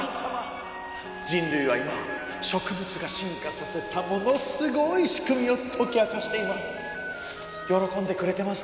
人類は今植物が進化させたものすごいしくみを解き明かしています。